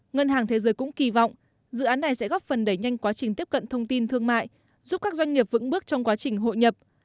ngân hàng thế giới cũng kỳ vọng dự án này sẽ góp phần đẩy nhanh quá trình tiếp cận thông tin thương mại giúp các doanh nghiệp vững bước trong quá trình hội nhập